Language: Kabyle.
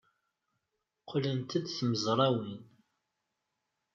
Qqlent-d tmezrawin.